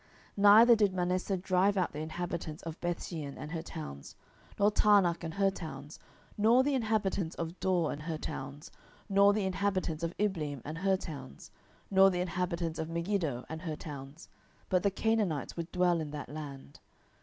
07:001:027 Neither did Manasseh drive out the inhabitants of Bethshean and her towns, nor Taanach and her towns, nor the inhabitants of Dor and her towns, nor the inhabitants of Ibleam and her towns, nor the inhabitants of Megiddo and her towns: but the Canaanites would dwell in that land.